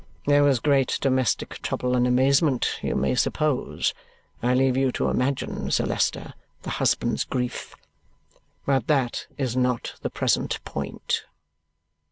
There was great domestic trouble and amazement, you may suppose; I leave you to imagine, Sir Leicester, the husband's grief. But that is not the present point.